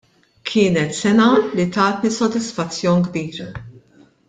Kienet sena li tatni sodisfazzjon kbir.